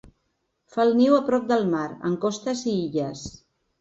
Fa el niu a prop del mar, en costes i illes.